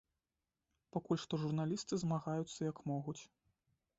Пакуль што журналісты змагаюцца як могуць.